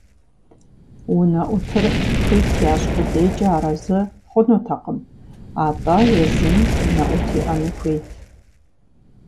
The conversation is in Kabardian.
Унэӏутыр хуит ящӏ къудейкӏэ арэзы хъунутэкъым, атӏэ езым унэӏут иӏэну хуейт.